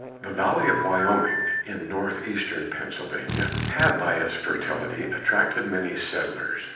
The valley of Wyoming, in northeastern Pennsylvania, had, by its fertility, attracted many settlers.